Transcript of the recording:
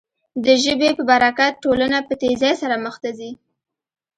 د ژبې په برکت ټولنه په تېزۍ سره مخ ته ځي.